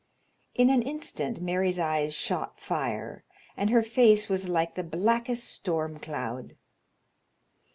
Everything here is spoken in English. In an instant Mary's eyes shot fire, and her face was like the blackest storm cloud.